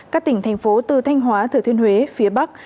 các tỉnh thành phố từ thanh hóa thừa thiên huế phía bắc